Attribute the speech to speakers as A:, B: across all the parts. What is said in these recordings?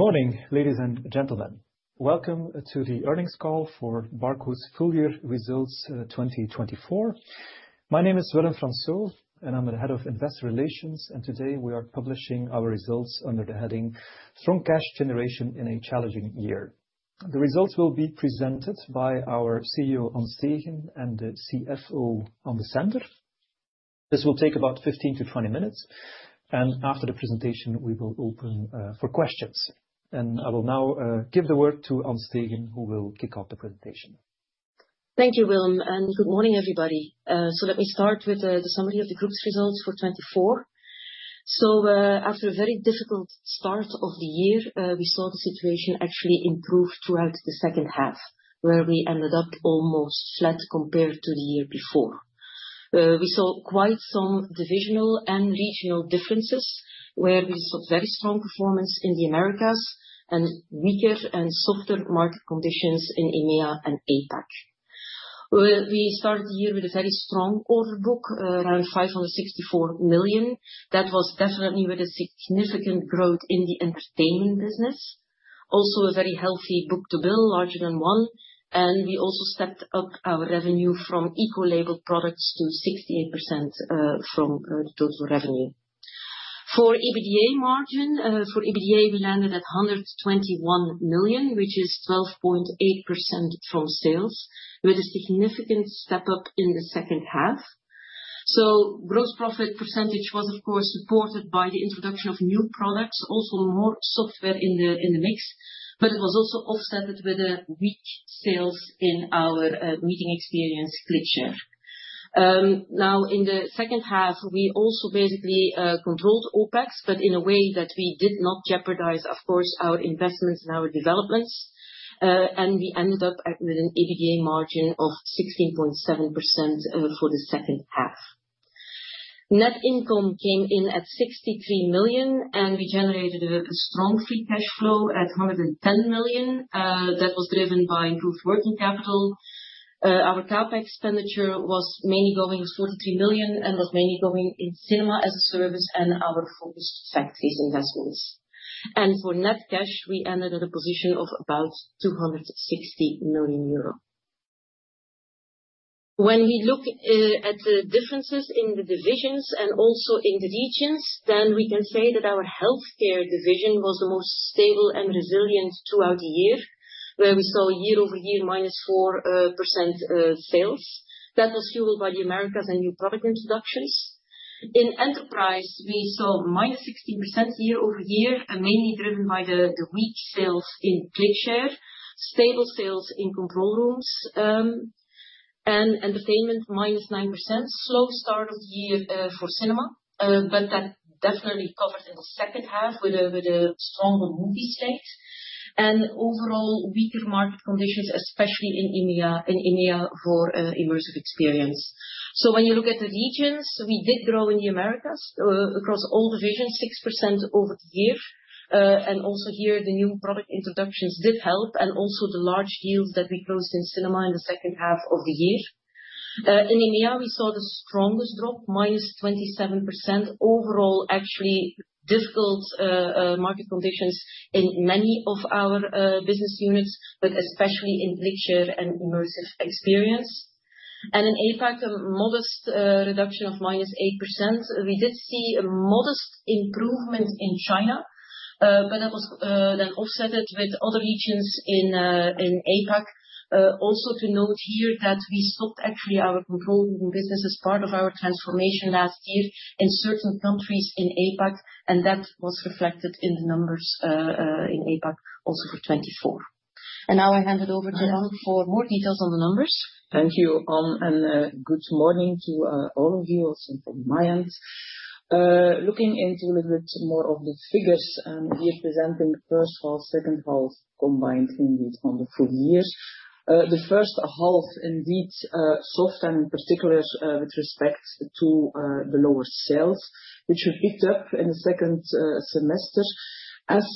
A: Good morning, ladies and gentlemen. Welcome to the earnings call for Barco's full year results 2024. My name is Willem Fransoo, and I'm the head of investor relations, and today we are publishing our results under the heading "Strong Cash Generation in a Challenging Year." The results will be presented by our CEO, An Steegen, and the CFO, Ann Desender. This will take about 15-20 minutes, and after the presentation, we will open for questions, and I will now give the word to An Steegen, who will kick off the presentation.
B: Thank you, Willem, and good morning, everybody. So let me start with the summary of the group's results for 2024. After a very difficult start of the year, we saw the situation actually improve throughout the second half, where we ended up almost flat compared to the year before. We saw quite some divisional and regional differences, where we saw very strong performance in the Americas and weaker and softer market conditions in EMEA and APAC. We started the year with a very strong order book, around 564 million. That was definitely with a significant growth in the Entertainment business. Also, a very healthy book-to-bill, larger than one. And we also stepped up our revenue from eco-labeled products to 68% from the total revenue. For EBITDA margin, for EBITDA, we landed at 121 million, which is 12.8% of sales, with a significant step up in the second half, so gross profit percentage was, of course, supported by the introduction of new products, also more software in the mix, but it was also offset with a weak sales in our Meeting Experience, ClickShare. Now, in the second half, we also basically controlled OpEx, but in a way that we did not jeopardize, of course, our investments and our developments, and we ended up with an EBITDA margin of 16.7% for the second half. Net income came in at 63 million, and we generated a strong free cash flow at 110 million. That was driven by improved working capital. Our CapEx expenditure was mainly going at 43 million and was mainly going in Cinema-as-a Service and our focused factories investments. For net cash, we ended at a position of about 260 million euro. When we look at the differences in the divisions and also in the regions, then we can say that our Healthcare division was the most stable and resilient throughout the year, where we saw year-over-year -4% sales. That was fueled by the Americas and new product introductions. In Enterprise, we saw -16% year-over-year, mainly driven by the weak sales in ClickShare, stable sales in Control Rooms, and Entertainment -9%. Slow start of the year for Cinema, but that definitely covered in the second half with a stronger movie slate. Overall, weaker market conditions, especially in EMEA for Immersive Experience. When you look at the regions, we did grow in the Americas across all divisions, 6% over the year. And also here, the new product introductions did help, and also the large deals that we closed in Cinema in the second half of the year. In EMEA, we saw the strongest drop, -27%. Overall, actually difficult market conditions in many of our business units, but especially in ClickShare and Immersive Experience. And in APAC, a modest reduction of -8%. We did see a modest improvement in China, but that was then offset with other regions in APAC. Also to note here that we stopped actually our control room business as part of our transformation last year in certain countries in APAC, and that was reflected in the numbers in APAC also for 2024. And now I hand it over to Ann for more details on the numbers.
C: Thank you, An, and good morning to all of you, also from my end. Looking into a little bit more of the figures, we are presenting first half, second half combined indeed on the full year. The first half indeed softened in particular with respect to the lower sales, which we picked up in the second semester as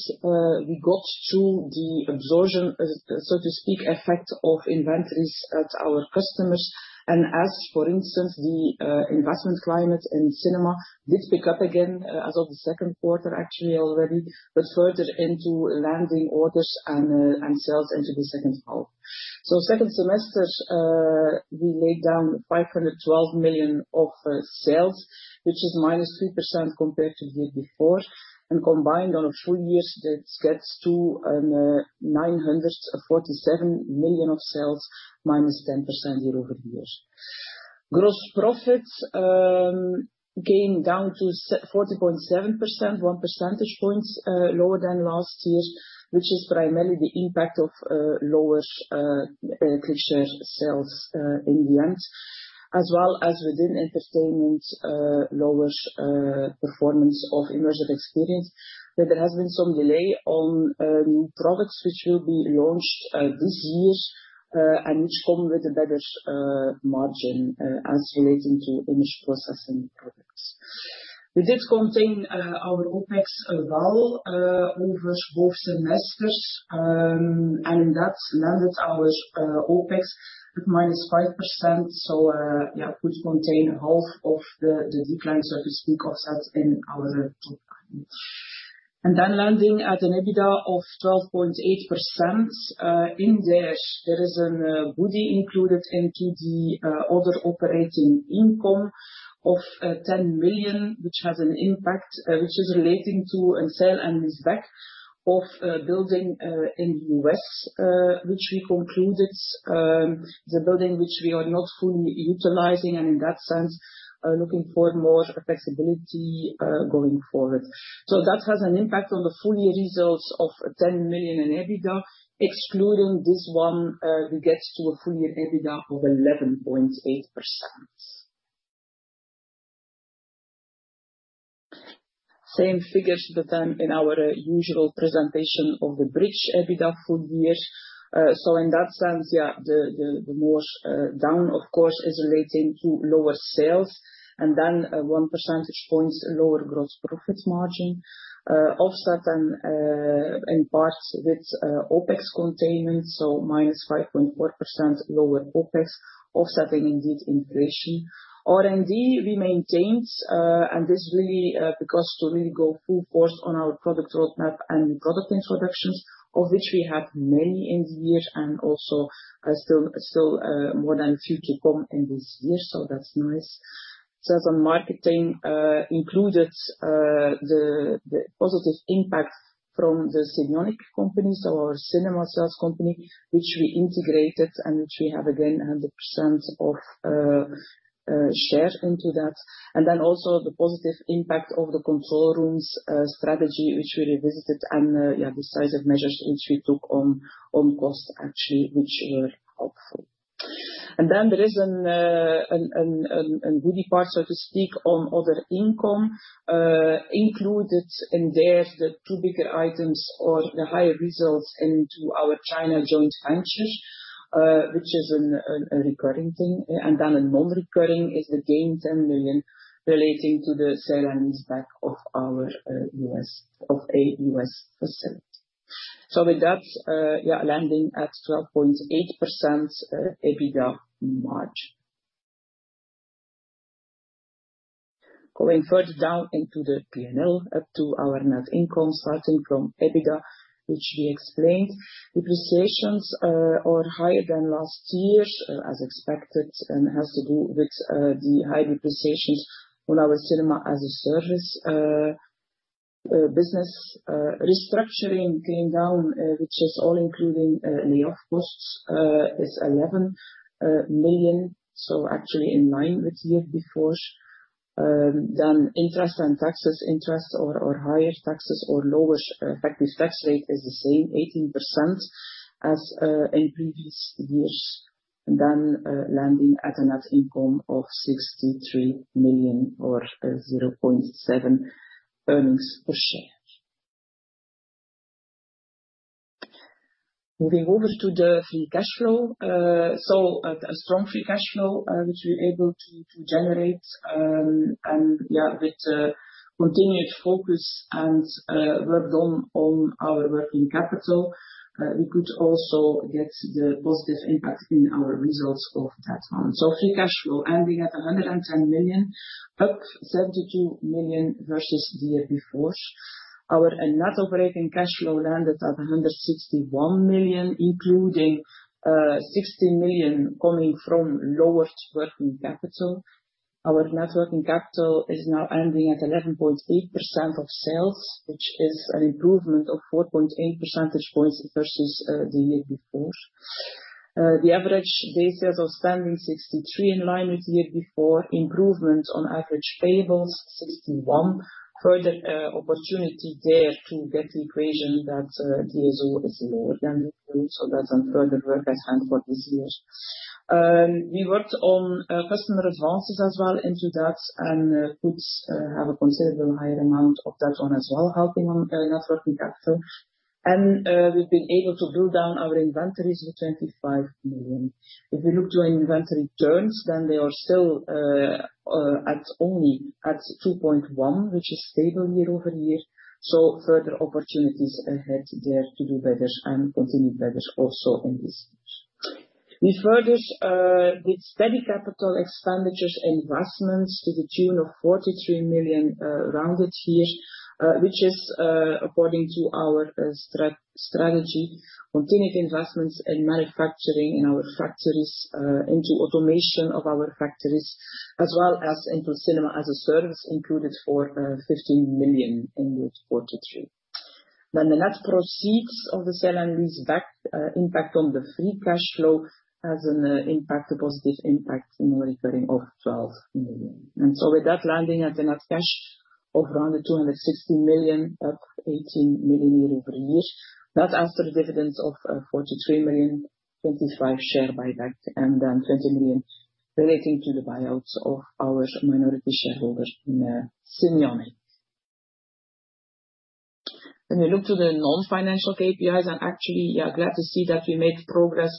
C: we got to the absorption, so to speak, effect of inventories at our customers, and as, for instance, the investment climate in Cinema did pick up again as of the second quarter actually already, but further into landing orders and sales into the second half, so second semester, we laid down 512 million of sales, which is -3% compared to the year before, and combined on a full year, that gets to 947 million of sales, -10% year-over-year. Gross profit came down to 40.7%, 1% point lower than last year, which is primarily the impact of lower ClickShare sales in the end, as well as within Entertainment, lower performance of immersive experience. There has been some delay on new products which will be launched this year and which come with a better margin as relating to image processing products. We did contain our OpEx well over both semesters, and in that landed our OpEx at -5%, so yeah, could contain half of the decline, so to speak, offset in our top line. And then landing at an EBITDA of 12.8%. In there, there is a book gain included in the other operating income of 10 million, which has an impact, which is relating to sale-and-leaseback of building in the U.S., which we concluded the building which we are not fully utilizing. In that sense, looking for more flexibility going forward. That has an impact on the full year results of EUR 10 million in EBITDA. Excluding this one, we get to a full year EBITDA of 11.8%. Same figures, but then in our usual presentation of the bridge EBITDA full year. In that sense, yeah, the downside, of course, is relating to lower sales. Then one percentage point lower gross profit margin, offset then in part with OpEx containment, so -5.4% lower OpEx, offsetting indeed inflation. R&D we maintained, and this really because to really go full force on our product roadmap and product introductions, of which we had many in the year and also still more than a few to come in this year. That's nice. Sales and marketing included the positive impact from the Cinionic company, so our Cinema sales company, which we integrated and which we have again 100% of share into that. And then also the positive impact of the Control Rooms strategy, which we revisited, and yeah, the size of measures which we took on costs actually, which were helpful. And then there is a beauty part, so to speak, on other income included in there, the two bigger items or the higher results in our China joint venture, which is a recurring thing. And then a non-recurring is the gain 10 million relating to the sale and lease back of our U.S. facility. So with that, yeah, landing at 12.8% EBITDA margin. Going further down into the P&L up to our net income starting from EBITDA, which we explained. Depreciations are higher than last year, as expected, and has to do with the high depreciations on our Cinema-as-a-Service business. Restructuring came down, which is all including layoff costs, is 11 million, so actually in line with the year before, then interest and taxes, interest or higher taxes or lower effective tax rate is the same, 18% as in previous years, and then landing at a net income of 63 million or 0.7 earnings per share, moving over to the free cash flow, so a strong free cash flow, which we were able to generate, and yeah, with continued focus and work done on our working capital, we could also get the positive impact in our results of that month, so free cash flow ending at 110 million, up 72 million versus the year before. Our net operating cash flow landed at 161 million, including 60 million coming from lowered working capital. Our net working capital is now ending at 11.8% of sales, which is an improvement of 4.8% points versus the year before. The average days sales outstanding, 63 in line with the year before, improvement on average payables, 61. Further opportunity there to get the DSO even lower than the year, so that's a further work at hand for this year. We worked on customer advances as well into that, and puts have a considerable higher amount of that one as well, helping on net working capital, and we've been able to build down our inventories with 25 million. If we look to our inventory terms, then they are still at only 2.1, which is stable year-over-year. So further opportunities ahead there to do better and continue better also in this year. We further did steady capital expenditures investments to the tune of 43 million rounded here, which is according to our strategy, continued investments in manufacturing in our factories, into automation of our factories, as well as into Cinema-as-a-service included for 15 million in the year 2023. Then the net proceeds of the sale and lease back impact on the free cash flow has an impact, a positive impact in the recurring of 12 million. And so with that landing at the net cash of around 260 million, up 18 million euro year-over-year, that after dividends of 43 million, 25 million share buyback, and then 20 million relating to the buyout of our minority shareholders in Cinionic. When we look to the non-financial KPIs, I'm actually, yeah, glad to see that we made progress,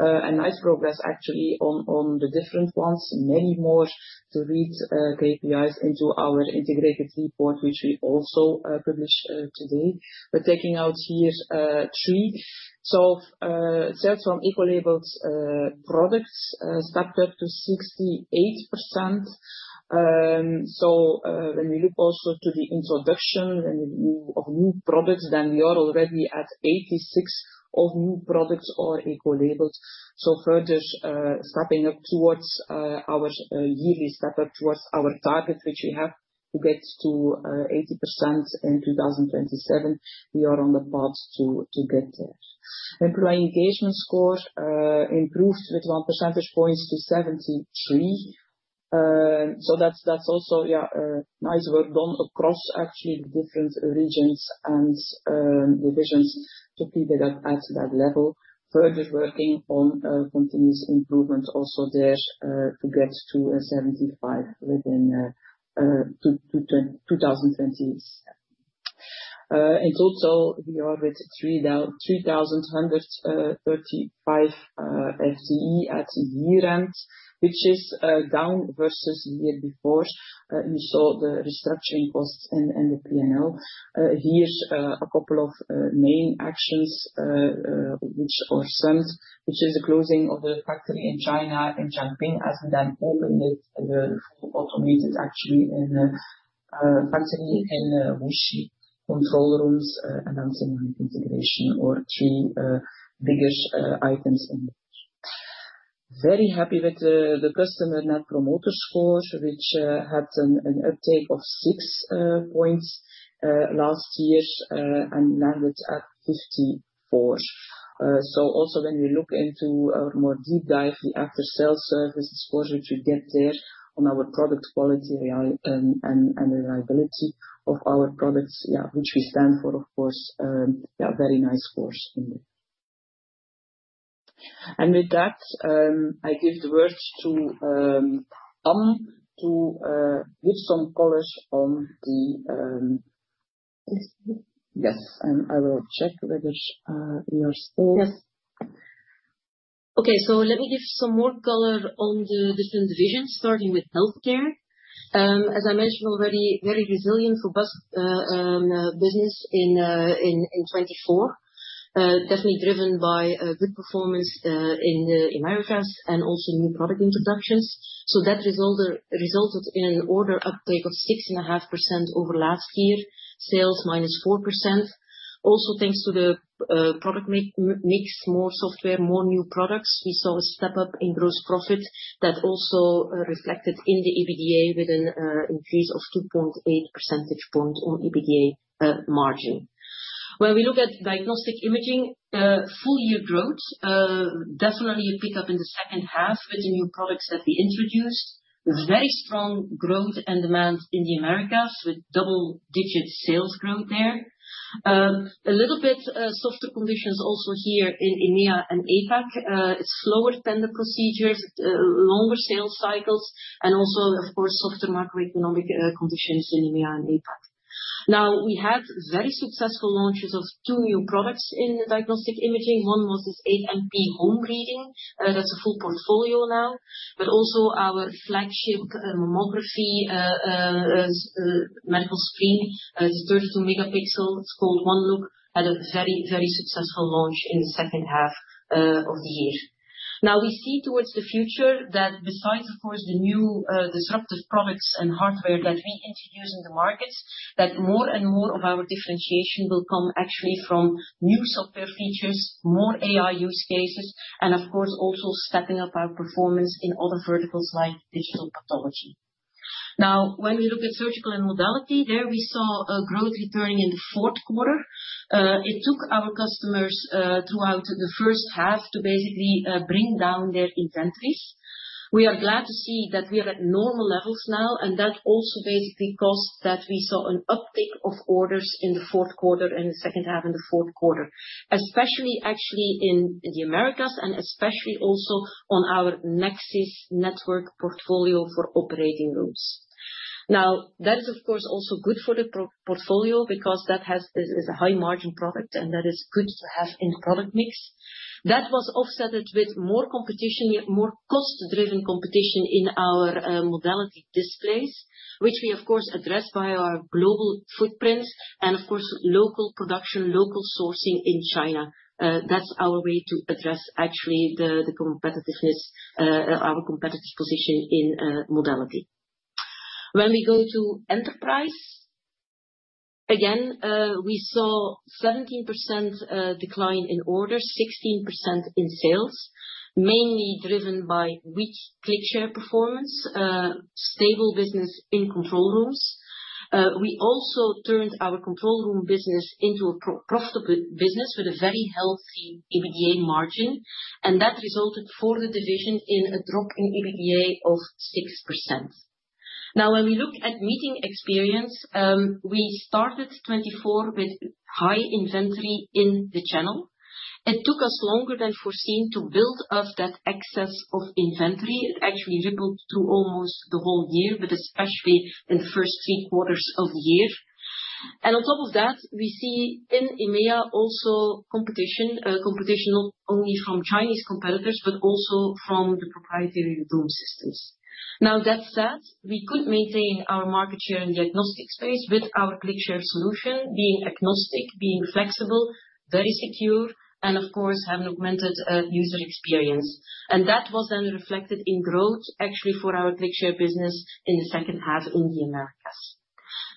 C: a nice progress actually on the different ones, many more KPIs to report into our integrated report, which we also published today. We're taking out here three. So sales from eco-labeled products stepped up to 68%. So when we look also to the introduction of new products, then we are already at 86% of new products that are eco-labeled. So further stepping up towards our yearly step up towards our target, which we have to get to 80% in 2027, we are on the path to get there. Employee engagement score improved with one percentage points to 73%. So that's also, yeah, nice work done across actually the different regions and divisions to keep it at that level. Further working on continuous improvement also there to get to 75% within 2027. In total, we are with 3,135 FTE at year-end, which is down versus the year before. You saw the restructuring costs and the P&L. Here's a couple of main actions which are sent, which is the closing of the factory in China in Changping as we then opened it, the full automated actually factory in Wuxi Control Rooms and then semi-integration or three bigger items in the year. Very happy with the customer Net Promoter Score, which had an uptake of 6 points last year and landed at 54. So also when we look into our more deep dive, the after-sales service scores which we get there on our product quality and reliability of our products, yeah, which we stand for, of course, yeah, very nice scores in there. And with that, I give the word to An to give some color on the year, and I will check whether you are still.
B: Yes. Okay, so let me give some more color on the different divisions, starting with Healthcare. As I mentioned already, very resilient for business in 2024, definitely driven by good performance in Americas and also new product introductions. So that resulted in an order uptake of 6.5% over last year, sales -4%. Also thanks to the product mix, more software, more new products, we saw a step up in gross profit that also reflected in the EBITDA with an increase of 2.8% points on EBITDA margin. When we look at Diagnostic Imaging, full year growth, definitely a pickup in the second half with the new products that we introduced. Very strong growth and demand in the Americas with double-digit sales growth there. A little bit softer conditions also here in EMEA and APAC. It's slower tender procedures, longer sales cycles, and also, of course, softer macroeconomic conditions in EMEA and APAC. Now, we had very successful launches of two new products in Diagnostic Imaging. One was this AMP home reading. That's a full portfolio now. But also our flagship mammography medical screen, it's 12 megapixel, it's called OneLook, had a very, very successful launch in the second half of the year. Now, we see towards the future that besides, of course, the new disruptive products and hardware that we introduce in the market, that more and more of our differentiation will come actually from new software features, more AI use cases, and of course, also stepping up our performance in other verticals like digital pathology. Now, when we look at Surgical and Modality, there we saw a growth returning in the fourth quarter. It took our customers throughout the first half to basically bring down their inventories. We are glad to see that we are at normal levels now, and that also basically caused that we saw an uptick of orders in the fourth quarter and the second half in the fourth quarter, especially actually in the Americas and especially also on our Nexxis network portfolio for operating rooms. Now, that is of course also good for the portfolio because that is a high margin product and that is good to have in the product mix. That was offset with more competition, more cost-driven competition in our modality displays, which we of course address by our global footprint and of course local production, local sourcing in China. That's our way to address actually the competitiveness, our competitive position in modality. When we go to Enterprise, again, we saw 17% decline in orders, 16% in sales, mainly driven by weak ClickShare performance, stable business in Control Rooms. We also turned our control room business into a profitable business with a very healthy EBITDA margin, and that resulted for the division in a drop in EBITDA of 6%. Now, when we look at Meeting Experience, we started 2024 with high inventory in the channel. It took us longer than foreseen to build up that excess of inventory. It actually rippled through almost the whole year, but especially in the first three quarters of the year, and on top of that, we see in EMEA also competition, competition not only from Chinese competitors, but also from the proprietary room systems. Now, that said, we could maintain our market share in diagnostic space with our ClickShare solution being agnostic, being flexible, very secure, and of course have an augmented user experience. That was then reflected in growth actually for our ClickShare business in the second half in the Americas.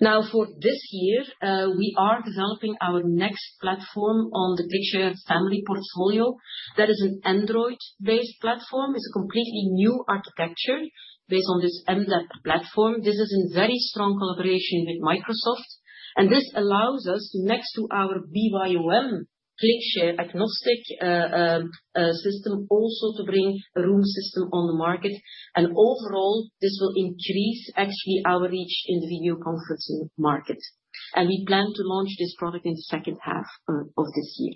B: Now, for this year, we are developing our next platform on the ClickShare family portfolio. That is an Android-based platform. It's a completely new architecture based on this MTR platform. This is in very strong collaboration with Microsoft. This allows us, next to our BYOM ClickShare agnostic system, also to bring a room system on the market. Overall, this will increase actually our reach in the video conferencing market. We plan to launch this product in the second half of this year.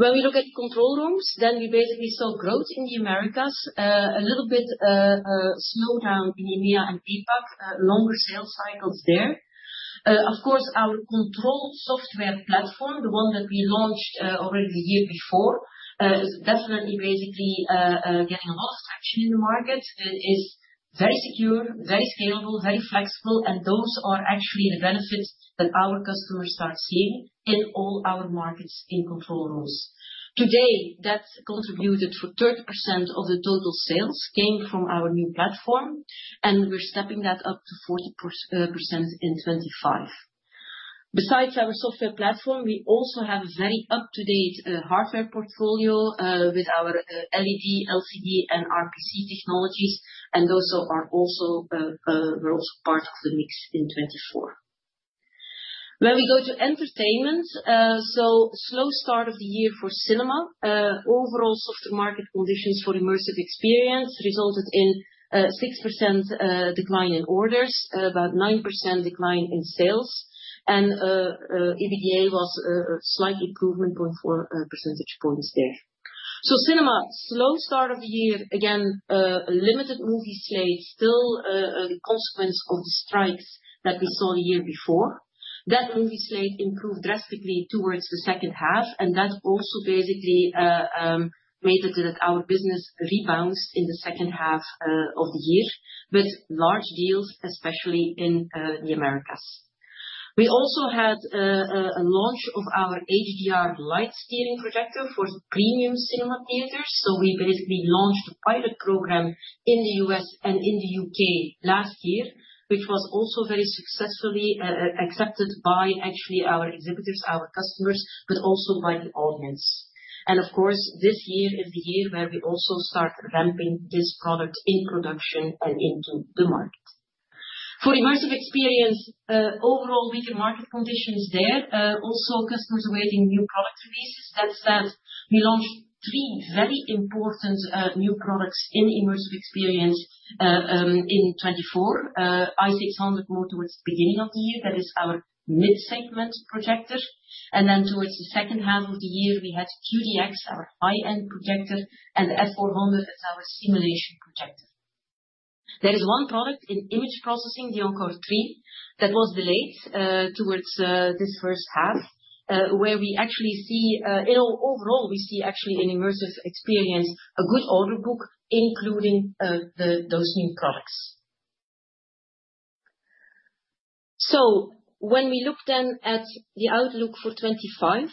B: When we look at Control Rooms, then we basically saw growth in the Americas, a little bit slowed down in EMEA and APAC, longer sales cycles there. Of course, our control software platform, the one that we launched already the year before, is definitely basically getting a lot of traction in the market and is very secure, very scalable, very flexible. Those are actually the benefits that our customers start seeing in all our markets in Control Rooms. Today, that contributed for 30% of the total sales came from our new platform, and we're stepping that up to 40% in 2025. Besides our software platform, we also have a very up-to-date hardware portfolio with our LED, LCD, and RPC technologies, and those are also part of the mix in 2024. When we go to Entertainment, so slow start of the year for Cinema. Overall software market conditions for immersive experience resulted in a 6% decline in orders, about 9% decline in sales, and EBITDA was a slight improvement of 4% points there. So Cinema, slow start of the year, again, limited movie slate still a consequence of the strikes that we saw the year before. That movie slate improved drastically towards the second half, and that also basically made it that our business rebounded in the second half of the year with large deals, especially in the Americas. We also had a launch of our HDR Lightsteering projector for premium Cinema theaters. So we basically launched a pilot program in the U.S. and in the U.K. last year, which was also very successfully accepted by actually our exhibitors, our customers, but also by the audience. Of course, this year is the year where we also start ramping this product in production and into the market. For immersive experience, overall weaker market conditions there, also customers awaiting new product releases. That said, we launched three very important new products in immersive experience in 2024, I600 more towards the beginning of the year, that is our mid-segment projector. And then towards the second half of the year, we had QDX, our high-end projector, and the F400 is our simulation projector. There is one product in image processing, the Encore3, that was delayed towards this first half, where we actually see, overall, we see actually in immersive experience a good order book, including those new products. When we look then at the outlook for 2025,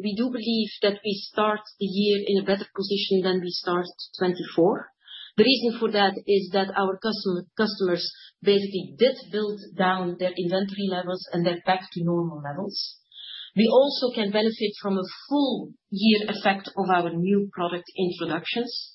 B: we do believe that we start the year in a better position than we started 2024. The reason for that is that our customers basically did build down their inventory levels and they're back to normal levels. We also can benefit from a full year effect of our new product introductions.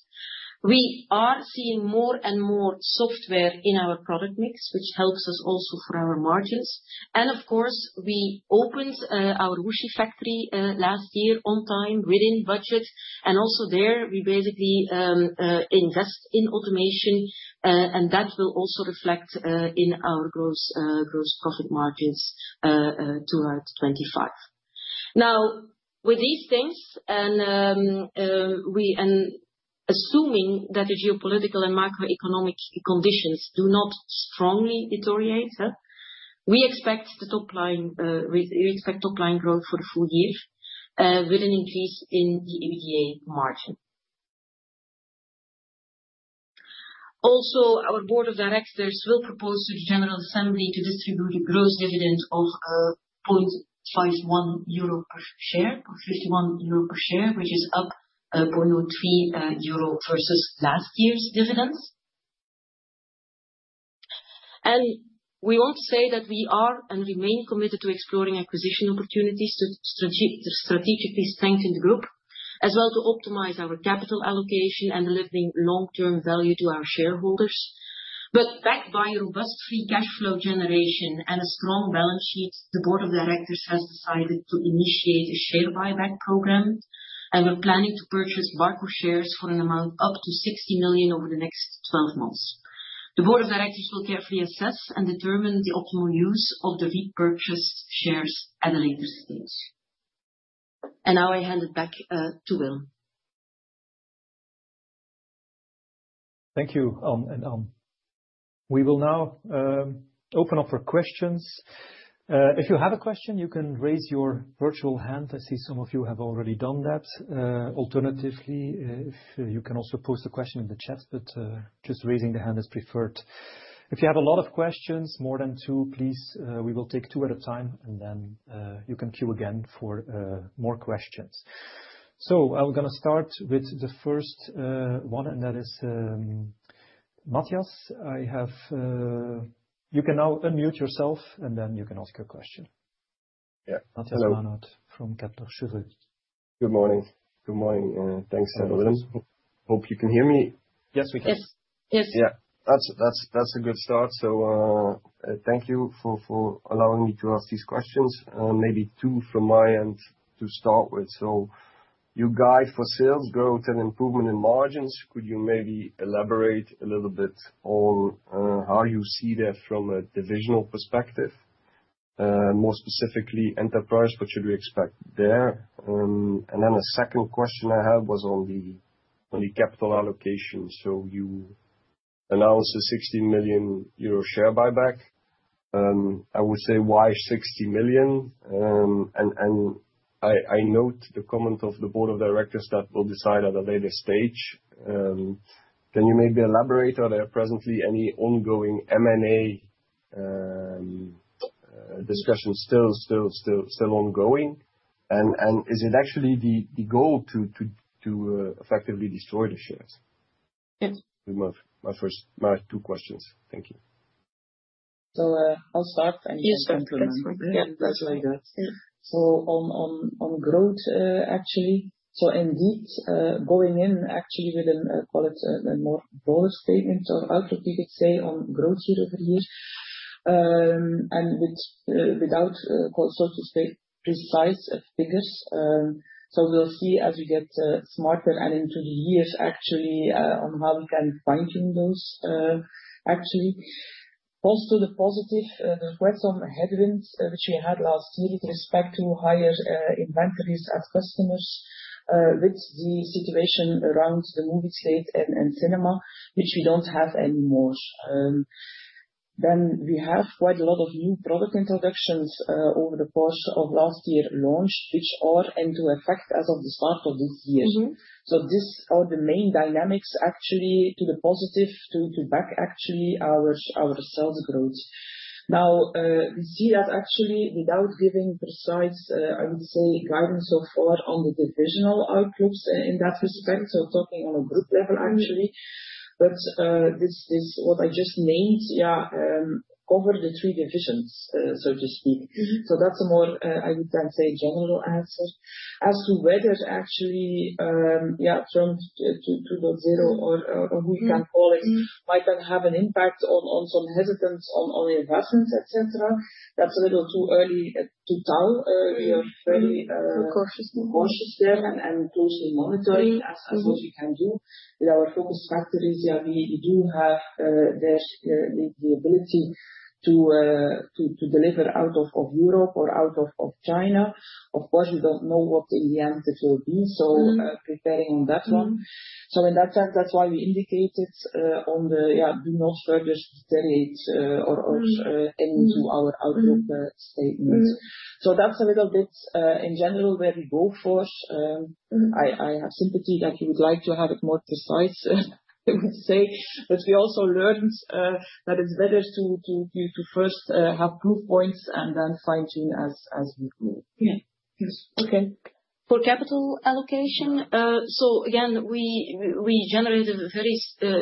B: We are seeing more and more software in our product mix, which helps us also for our margins, and of course, we opened our Wuxi factory last year on time within budget, and also there, we basically invest in automation, and that will also reflect in our gross profit margins throughout 2025. Now, with these things, and assuming that the geopolitical and macroeconomic conditions do not strongly deteriorate, we expect the top line growth for the full year with an increase in the EBITDA margin. Also, our Board of Directors will propose to the General Assembly to distribute a gross dividend of EUR 0.51 per share, or 51 euro per share, which is up 0.03 euro versus last year's dividends. And we want to say that we are and remain committed to exploring acquisition opportunities to strategically strengthen the group, as well to optimize our capital allocation and delivering long-term value to our shareholders. But backed by robust free cash flow generation and a strong balance sheet, the board of directors has decided to initiate a share buyback program, and we're planning to purchase Barco shares for an amount up to 60 million over the next 12 months. The Board of Directors will carefully assess and determine the optimal use of the repurchased shares at a later stage. And now I hand it back to Willem.
A: Thank you, An and Ann. We will now open up for questions. If you have a question, you can raise your virtual hand. I see some of you have already done that. Alternatively, you can also post a question in the chat, but just raising the hand is preferred. If you have a lot of questions, more than two, please, we will take two at a time, and then you can queue again for more questions. So I'm going to start with the first one, and that is Matthias. You can now unmute yourself, and then you can ask your question.
D: Yeah.
A: Matthias Maenhaut from Kepler Cheuvreux.
D: Good morning. Good morning. Thanks, Ann Desender. Good morning. Hope you can hear me.
A: Yes, we can.
B: Yes. Yes.
D: Yeah. That's a good start. So thank you for allowing me to ask these questions. Maybe two from my end to start with. So your guidance for sales growth and improvement in margins. Could you maybe elaborate a little bit on how you see that from a divisional perspective, more specifically Enterprise, what should we expect there? And then a second question I had was on the capital allocation. So you announced a 60 million euro share buyback. I would say why 60 million? And I note the comment of the Board of Directors that will decide at a later stage. Can you maybe elaborate on presently any ongoing M&A discussion still ongoing? And is it actually the goal to effectively destroy the shares?
B: Yes.
D: My two questions. Thank you.
C: I'll start and you can complement. Yes, that's very good. So on growth, actually, so indeed going in actually with a more broader statement or outlook, you could say, on growth year-over-year, and without so to speak precise figures. So we'll see as we get smarter and into the years actually on how we can fine-tune those actually. Also, the positive, there's quite some headwinds which we had last year with respect to higher inventories at customers with the situation around the movie slate and Cinema, which we don't have anymore. Then we have quite a lot of new product introductions over the course of last year launched, which are into effect as of the start of this year. So these are the main dynamics actually to the positive, to back actually our sales growth. Now, we see that actually without giving precise, I would say, guidance so far on the divisional outlooks in that respect, so talking on a group level actually. But what I just named, yeah, covered the three divisions, so to speak. So that's a more, I would then say, general answer as to whether actually, yeah, Trump 2.0 or who you can call it might then have an impact on some hesitance on investments, etc. That's a little too early to tell. We are very cautious there and closely monitoring as what we can do with our focus factories. Yeah, we do have there the ability to deliver out of Europe or out of China. Of course, we don't know what in the end it will be. So preparing on that one. So in that sense, that's why we indicated on the, yeah, do not further deteriorate or into our outlook statement. So that's a little bit in general where we go for. I have sympathy that you would like to have it more precise, I would say, but we also learned that it's better to first have proof points and then fine-tune as we go.
B: Yeah. Yes. Okay. For capital allocation, so again, we generated a very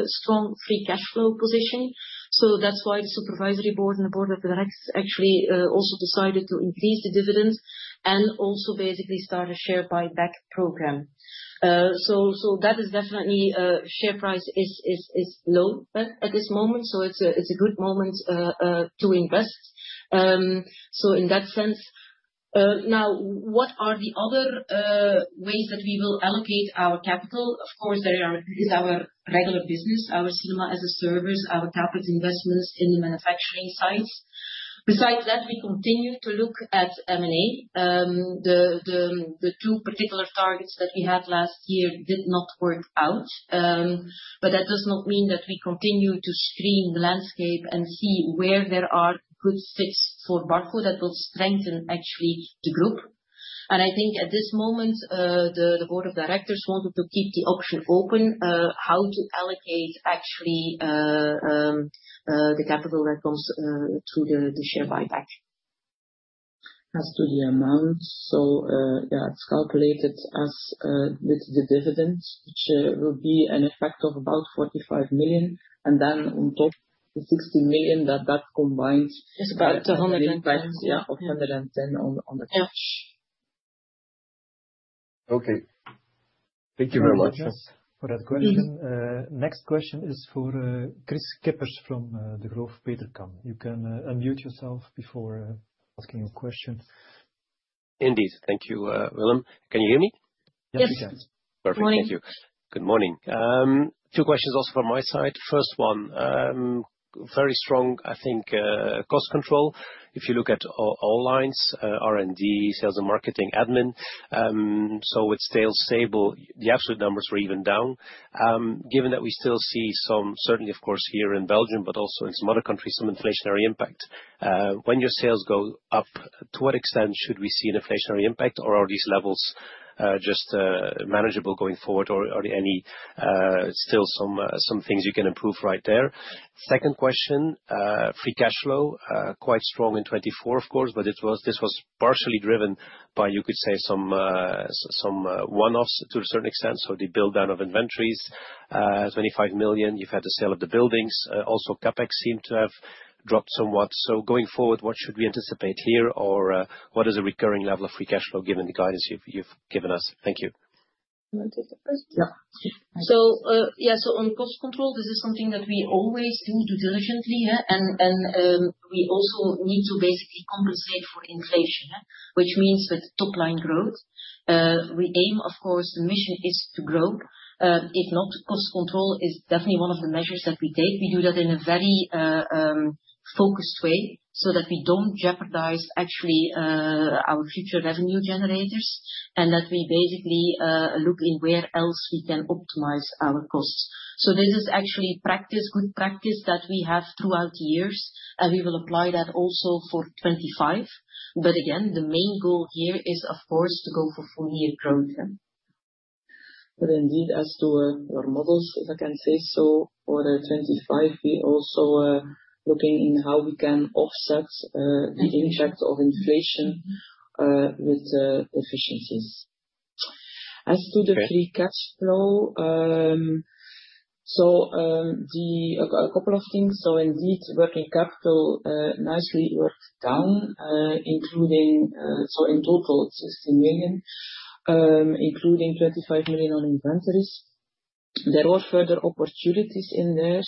B: strong free cash flow position. So that's why the supervisory board and the Board of Directors actually also decided to increase the dividend and also basically start a share buyback program. So that is definitely share price is low at this moment. So it's a good moment to invest. So in that sense, now, what are the other ways that we will allocate our capital? Of course, there is our regular business, our Cinema-as-a-service, our capital investments in the manufacturing sites. Besides that, we continue to look at M&A. The two particular targets that we had last year did not work out, but that does not mean that we continue to screen the landscape and see where there are good fits for Barco that will strengthen actually the group, and I think at this moment, the Board of Directors wanted to keep the option open how to allocate actually the capital that comes through the share buyback.
C: As to the amount, so yeah, it's calculated as with the dividends, which will be an effect of about 45 million. And then on top, the 60 million that combines.
B: It's about 110 million.
C: Yeah, of 110 million on the cash.
D: Okay. Thank you very much
A: for that question. Next question is for Kris Kippers from Degroof Petercam. You can unmute yourself before asking your question.
E: Indeed. Thank you, Willem. Can you hear me?
B: Yes.
E: Yes. Perfect. Thank you. Good morning. Two questions also from my side. First one, very strong, I think, cost control. If you look at all lines, R&D, sales and marketing, admin, so with sales stable, the absolute numbers were even down. Given that we still see some, certainly, of course, here in Belgium, but also in some other countries, some inflationary impact. When your sales go up, to what extent should we see an inflationary impact, or are these levels just manageable going forward, or are there still some things you can improve right there? Second question, free cash flow, quite strong in 2024, of course, but this was partially driven by, you could say, some one-offs to a certain extent. So the build down of inventories, 25 million, you've had the sale of the buildings. Also, CapEx seemed to have dropped somewhat. So going forward, what should we anticipate here, or what is a recurring level of free cash flow given the guidance you've given us? Thank you.
B: I'll take the first. Yeah. So yeah, so on cost control, this is something that we always do diligently, and we also need to basically compensate for inflation, which means with top line growth. We aim, of course, the mission is to grow. If not, cost control is definitely one of the measures that we take. We do that in a very focused way so that we don't jeopardize actually our future revenue generators and that we basically look in where else we can optimize our costs. So this is actually good practice that we have throughout the years, and we will apply that also for 2025. But again, the main goal here is, of course, to go for full year growth.
C: But indeed, as to our models, if I can say so, for 2025, we're also looking in how we can offset the impact of inflation with efficiencies. As to the free cash flow, so a couple of things. So indeed, working capital nicely worked down, including so in total, 60 million, including 25 million on inventories. There were further opportunities in there.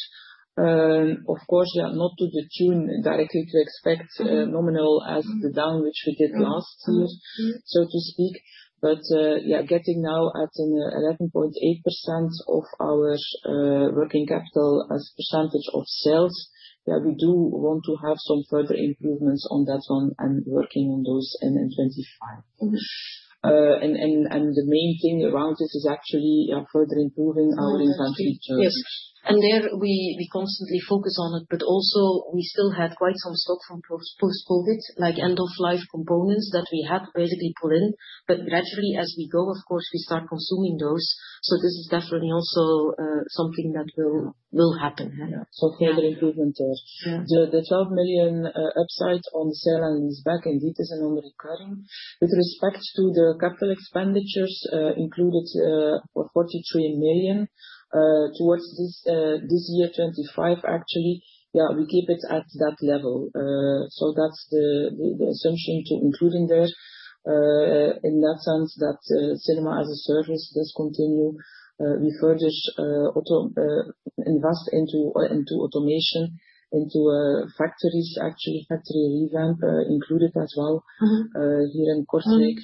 C: Of course, yeah, not to the tune directly to expect nominal as the down which we did last year, so to speak. But yeah, getting now at an 11.8% of our working capital as a percentage of sales, yeah, we do want to have some further improvements on that one and working on those in 2025. And the main thing around this is actually further improving our inventory growth.
B: Yes. And there we constantly focus on it, but also we still had quite some stock from post-COVID, like end-of-life components that we had basically pulled in. But gradually, as we go, of course, we start consuming those. So this is definitely also something that will happen.
C: Yeah, so further improvement there. The 12 million upside on the sale and lease back, indeed, is a non-recurring. With respect to the capital expenditures included for 43 million towards this year, 25 million, actually, yeah, we keep it at that level. So that's the assumption to include in there. In that sense, that Cinema-as-a-service does continue. We further invest into automation, into factories, actually, factory revamp included as well here in Kortrijk.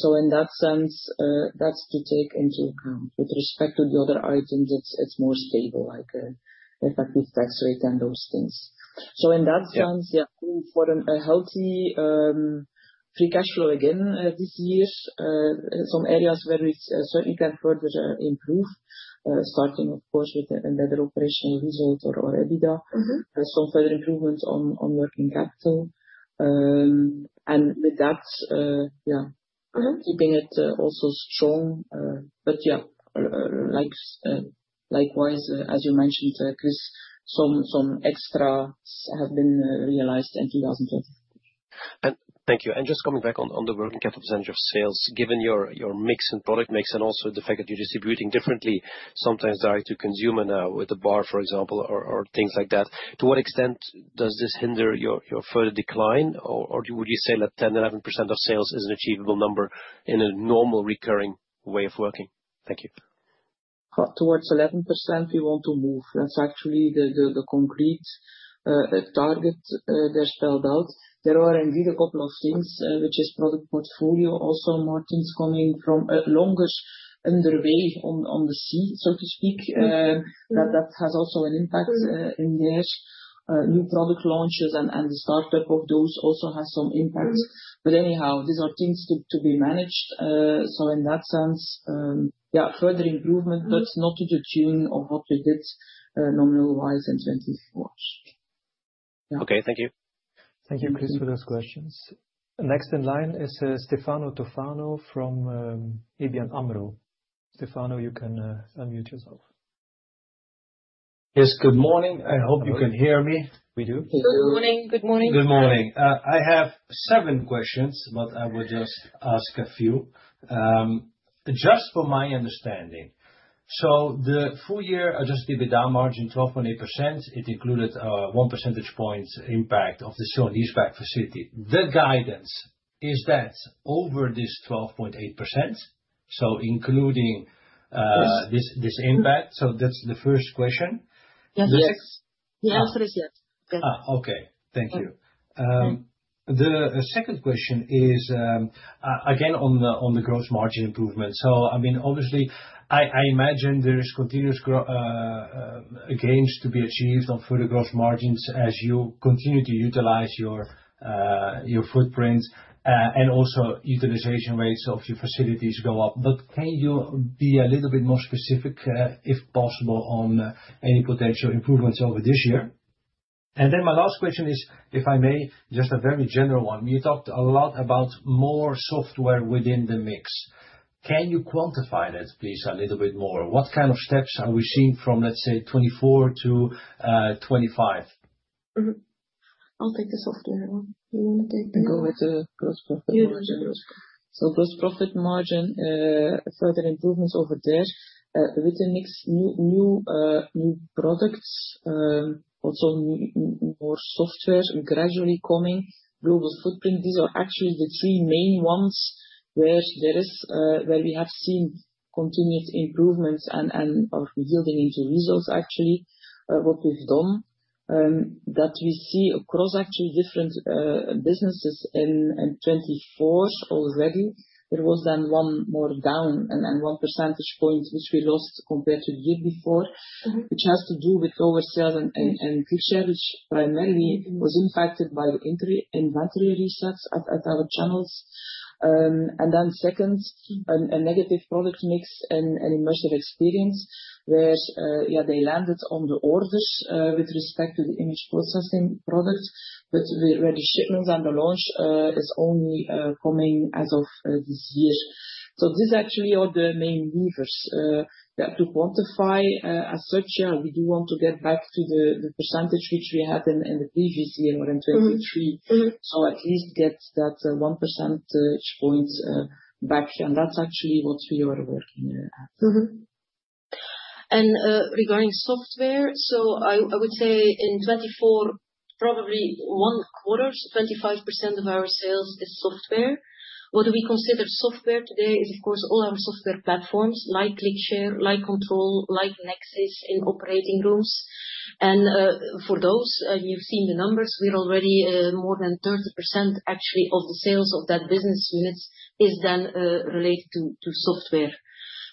C: So in that sense, that's to take into account. With respect to the other items, it's more stable, like effective tax rate and those things. So in that sense, yeah, for a healthy free cash flow again this year, some areas where we certainly can further improve, starting, of course, with a better operational result or EBITDA, some further improvements on working capital, and with that, yeah, keeping it also strong. But yeah, likewise, as you mentioned, Kris, some extra have been realized in 2024.
E: Thank you. And just coming back on the working capital percentage of sales, given your mix and product mix and also the fact that you're distributing differently sometimes direct to consumer now with Barco, for example, or things like that, to what extent does this hinder your further decline? Or would you say that 10%-11% of sales is an achievable number in a normal recurring way of working? Thank you.
C: Towards 11%, we want to move. That's actually the concrete target there spelled out. There are indeed a couple of things, which is product portfolio. Also, margins coming from a longer underway on the sea, so to speak. That has also an impact in there. New product launches and the startup of those also has some impact. But anyhow, these are things to be managed. So in that sense, yeah, further improvement, but not to the tune of what we did nominal-wise in 2024.
E: Okay. Thank you.
A: Thank you, Kris, for those questions. Next in line is Stefano Toffano from ABN AMRO. Stefano, you can unmute yourself.
F: Yes. Good morning. I hope you can hear me.
A: We do.
B: Good morning. Good morning.
D: Good morning. I have seven questions, but I will just ask a few. Just for my understanding, so the full year adjusted EBITDA margin 12.8%, it included a 1% point impact of the sale and lease back facility. The guidance is that over this 12.8%, so including this impact, so that's the first question.
B: Yes. Yes.
C: Yes.
B: Yes.
C: Yes.
B: Yes.
C: Yes.
B: Yes.
F: Okay. Thank you. The second question is again on the gross margin improvement. So I mean, obviously, I imagine there is continuous gains to be achieved on further gross margins as you continue to utilize your footprint and also utilization rates of your facilities go up. But can you be a little bit more specific, if possible, on any potential improvements over this year? And then my last question is, if I may, just a very general one. You talked a lot about more software within the mix. Can you quantify that, please, a little bit more? What kind of steps are we seeing from, let's say, 2024-2025?
B: I'll take the software one. Do you want to take the?
C: Go with the gross profit margin. So gross profit margin, further improvements over there with the mix of new products, also more software gradually coming, global footprint. These are actually the three main ones where we have seen continued improvements and are yielding into results, actually, what we've done. That we see across actually different businesses in 2024 already. There was then one more down and 1% point, which we lost compared to the year before, which has to do with lower sales and ClickShare, which primarily was impacted by inventory resets at our channels. And then second, a negative product mix and immersive experience where, yeah, they landed on the orders with respect to the image processing product, but where the shipments and the launch is only coming as of this year. So these actually are the main levers. Yeah, to quantify as such, yeah, we do want to get back to the percentage which we had in the previous year or in 2023. So at least get that 1% point back. And that's actually what we are working at.
B: Regarding software, so I would say in 2024, probably one quarter, so 25% of our sales is software. What do we consider software today is, of course, all our software platforms like ClickShare, like Control, like Nexxis in operating rooms. For those, you've seen the numbers. We're already more than 30% actually of the sales of that business unit is then related to software.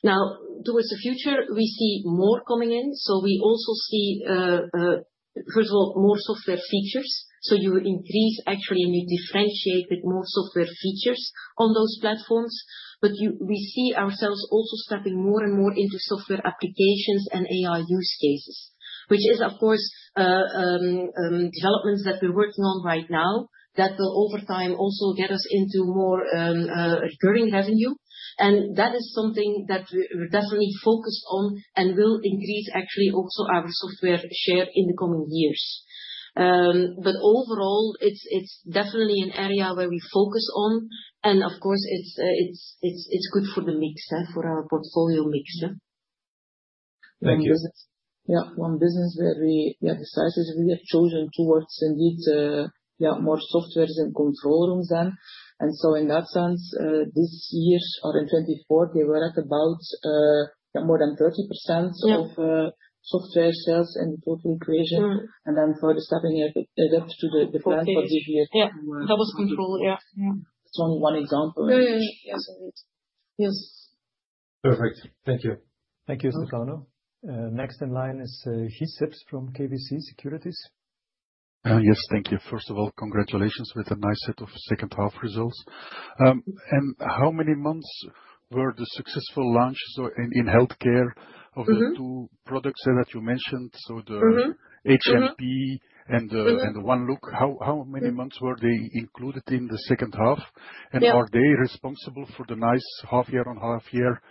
B: Now, towards the future, we see more coming in. We also see, first of all, more software features. You increase actually and you differentiate with more software features on those platforms. But we see ourselves also stepping more and more into software applications and AI use cases, which is, of course, developments that we're working on right now that will over time also get us into more recurring revenue. And that is something that we're definitely focused on and will increase actually also our software share in the coming years. But overall, it's definitely an area where we focus on. And of course, it's good for the mix, for our portfolio mix.
F: Thank you.
C: Yeah. One business where we decided we have chosen towards indeed, yeah, more software and Control Rooms then. And so in that sense, this year or in 2024, they were at about more than 30% of software sales in the total equation. And then further stepping a bit to the plan for this year.
B: Yeah. That was Control. Yeah.
C: It's only one example.
B: Yes.
C: Yes.
F: Perfect. Thank you.
A: Thank you, Stefano. Next in line is Guy Sips from KBC Securities.
G: Yes. Thank you. First of all, congratulations with a nice set of second-half results. And how many months were the successful launches in Healthcare of the two products that you mentioned, so the HMP and the OneLook? How many months were they included in the second half? And are they responsible for the nice half-year on half-year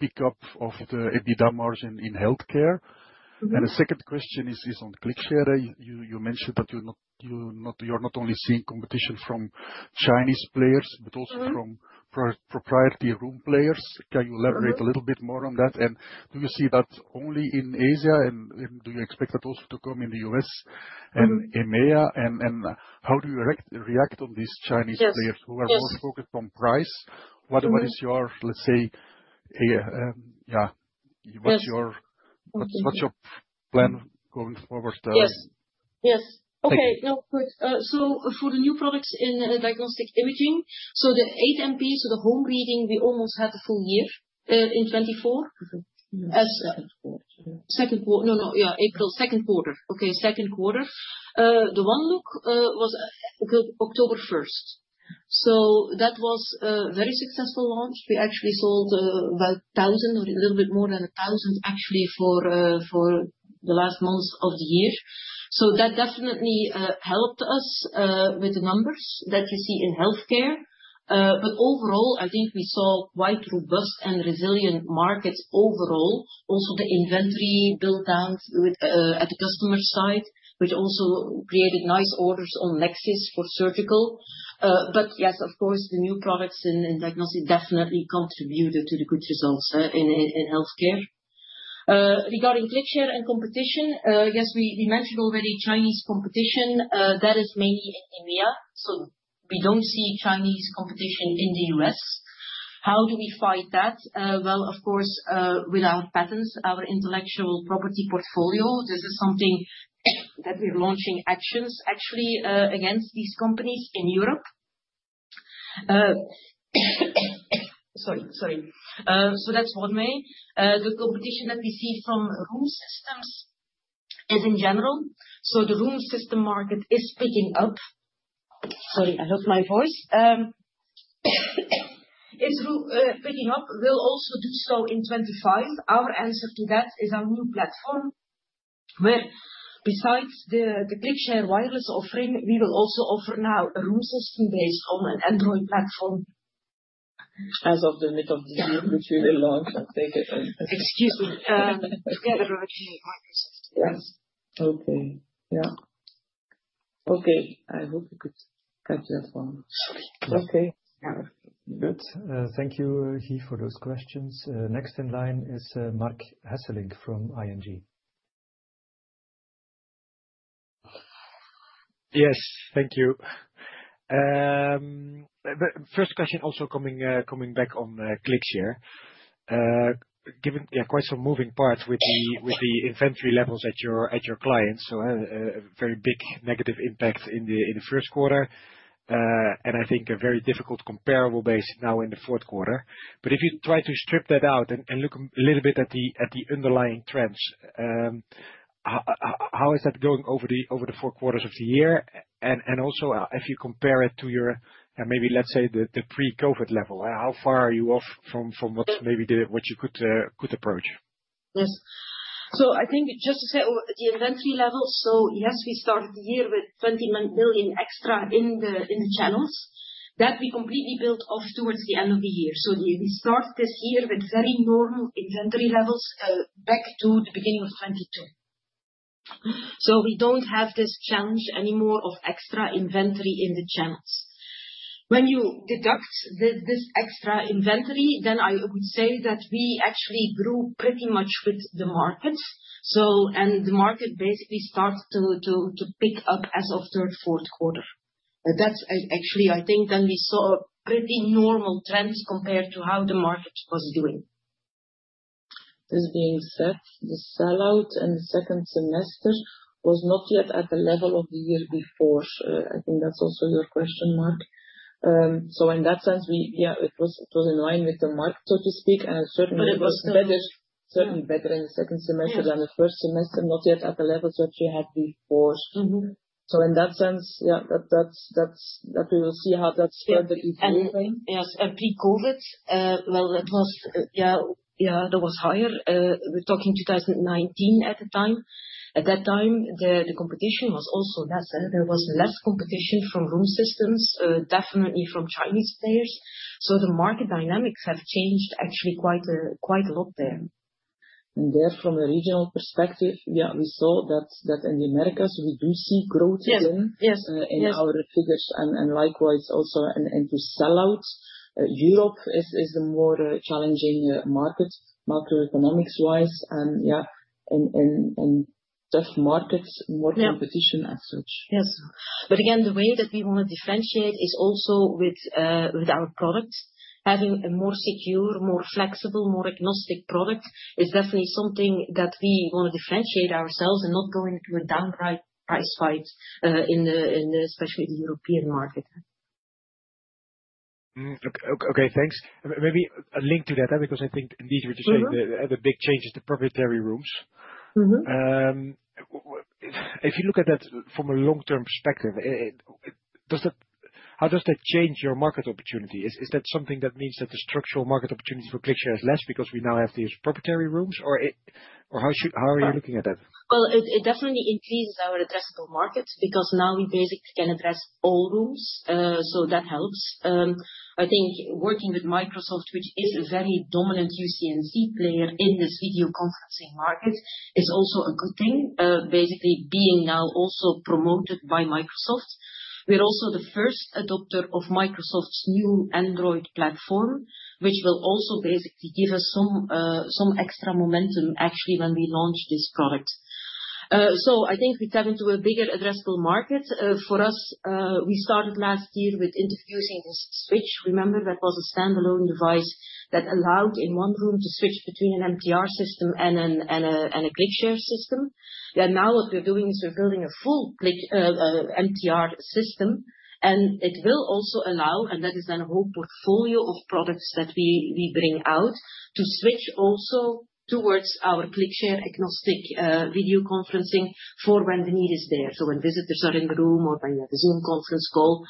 G: pickup of the EBITDA margin in Healthcare? And the second question is on ClickShare. You mentioned that you're not only seeing competition from Chinese players, but also from proprietary room players. Can you elaborate a little bit more on that? And do you see that only in Asia, and do you expect that also to come in the U.S. and EMEA? And how do you react on these Chinese players who are more focused on price? What is your, let's say, yeah, what's your plan going forward?
B: Yes. Yes. Okay. No, good. So for the new products in Diagnostic Imaging, so the HMP, so the home reading, we almost had the full year in 2024.
C: Second quarter.
B: Second quarter. No, no, yeah, April, second quarter. Okay. Second quarter. The OneLook was until October 1st. So that was a very successful launch. We actually sold about 1,000 or a little bit more than 1,000 actually for the last months of the year. So that definitely helped us with the numbers that you see in Healthcare. But overall, I think we saw quite robust and resilient markets overall, also the inventory build-out at the customer side, which also created nice orders on Nexxis for surgical. But yes, of course, the new products in diagnostic definitely contributed to the good results in Healthcare. Regarding ClickShare and competition, yes, we mentioned already Chinese competition. That is mainly in EMEA. So we don't see Chinese competition in the U.S. How do we fight that? Well, of course, without patents, our intellectual property portfolio. This is something that we're launching actions actually against these companies in Europe. Sorry. Sorry. So that's one way. The competition that we see from room systems is in general. So the room system market is picking up. Sorry, I lost my voice. It's picking up. We'll also do so in 2025. Our answer to that is our new platform where, besides the ClickShare wireless offering, we will also offer now a room system based on an Android platform.
C: As of the middle of this year, which we will launch and take it in.
B: Excuse me. Together with Microsoft.
C: Yes. Okay. Yeah. Okay. I hope you could catch that one.
B: Sorry.
C: Okay.
A: Good. Thank you, Guy, for those questions. Next in line is Marc Hesselink from ING. Yes. Thank you. First question also coming back on ClickShare. Quite some moving parts with the inventory levels at your clients. So a very big negative impact in the first quarter. And I think a very difficult comparable base now in the fourth quarter. But if you try to strip that out and look a little bit at the underlying trends, how is that going over the four quarters of the year? And also, if you compare it to your, maybe, let's say, the pre-COVID level, how far are you off from what maybe you could approach?
B: Yes. So I think just to say the inventory levels, so yes, we started the year with 20 million extra in the channels. That we completely built off towards the end of the year. So we started this year with very normal inventory levels back to the beginning of 2022. So we don't have this challenge anymore of extra inventory in the channels. When you deduct this extra inventory, then I would say that we actually grew pretty much with the market. And the market basically started to pick up as of third, fourth quarter. That's actually, I think, then we saw a pretty normal trend compared to how the market was doing.
C: This being said, the sellout in the second semester was not yet at the level of the year before. I think that's also your question, Marc, so in that sense, yeah, it was in line with the market, so to speak, and it certainly was better in the second semester than the first semester, not yet at the levels that we had before, so in that sense, yeah, that we will see how that's further evolving.
B: Yes. And pre-COVID, well, yeah, that was higher. We're talking 2019 at the time. At that time, the competition was also less. There was less competition from room systems, definitely from Chinese players. So the market dynamics have changed actually quite a lot there.
C: And then from a regional perspective, yeah, we saw that in the Americas, we do see growth again in our figures. And likewise, also into sellout, Europe is the more challenging market macroeconomics-wise. And yeah, in tough markets, more competition as such.
B: Yes. But again, the way that we want to differentiate is also with our product. Having a more secure, more flexible, more agnostic product is definitely something that we want to differentiate ourselves and not go into a downright price fight, especially in the European market.
H: Okay. Thanks. Maybe a link to that, because I think indeed what you're saying, the big change is the proprietary rooms. If you look at that from a long-term perspective, how does that change your market opportunity? Is that something that means that the structural market opportunity for ClickShare is less because we now have these proprietary rooms? Or how are you looking at that?
B: It definitely increases our addressable market because now we basically can address all rooms. So that helps. I think working with Microsoft, which is a very dominant UC&C player in this video conferencing market, is also a good thing, basically being now also promoted by Microsoft. We're also the first adopter of Microsoft's new Android platform, which will also basically give us some extra momentum actually when we launch this product. So I think we tap into a bigger addressable market. For us, we started last year with introducing this switch. Remember, that was a standalone device that allowed in one room to switch between an MTR system and a ClickShare system. Now what we're doing is we're building a full MTR system. And it will also allow, and that is then a whole portfolio of products that we bring out to switch also towards our ClickShare agnostic video conferencing for when the need is there. So when visitors are in the room or when you have a Zoom conference call.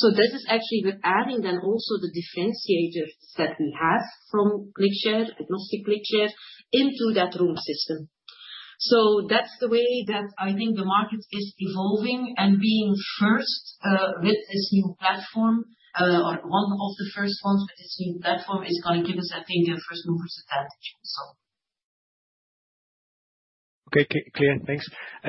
B: So this is actually we're adding then also the differentiators that we have from ClickShare, agnostic ClickShare, into that room system. So that's the way that I think the market is evolving and being first with this new platform or one of the first ones with this new platform is going to give us, I think, a first-mover's advantage.
H: Okay. Clear. Thanks.